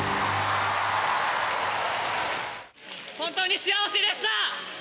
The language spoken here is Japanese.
本当に幸せでした！